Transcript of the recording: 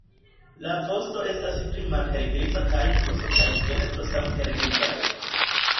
La vosto estas pli malhelgriza kaj brusto kaj ventro same helgrizaj.